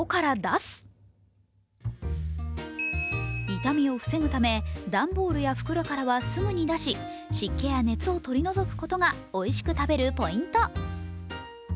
傷みを防ぐため、段ボールや袋からは、すぐに出し、湿気や熱を取り除くことがおいしく食べるポイント。